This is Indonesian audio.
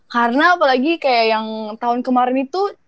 karena apalagi kayak yang tahun kemarin itu